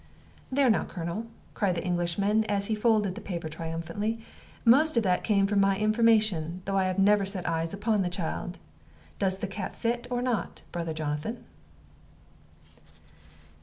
"There now, Colonel," cried the Englishman, as he folded the paper triumphantly; "most of that came from my information, though I never set eyes upon the child. Does the cap fit or not, Brother Jonathan?"